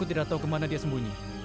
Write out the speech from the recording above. dia bukan suci